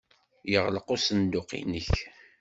Yeɣleq usenduq-nnek?